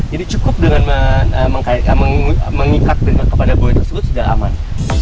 jadi cukup dengan mengikat kepada buoy tersebut sudah aman